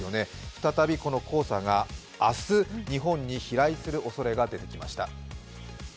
再びこの黄砂が明日、日本に飛来するおそれが出てきました。